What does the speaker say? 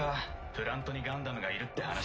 プラントにガンダムがいるって話。